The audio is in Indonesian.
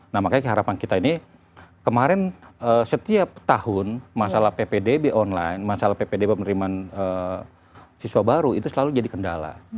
nah makanya keharapan kita ini kemarin setiap tahun masalah ppdb online masalah ppdb menerima siswa baru itu selalu jadi kendala